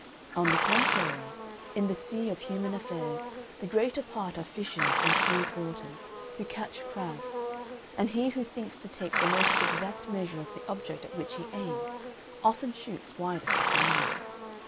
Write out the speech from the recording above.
On the contrary, in the sea of human affairs, the greater part are fishers in smooth waters, who catch crabs; and he who thinks to take the most exact measure of the object at which he aims often shoots widest of the mark.